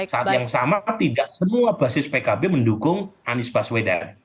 saat yang sama tidak semua basis pkb mendukung anies baswedan